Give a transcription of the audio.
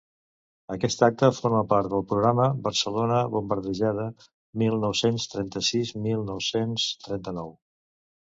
Aquest acte forma part del programa Barcelona bombardejada, mil nou-cents trenta-sis-mil nou-cents trenta-nou.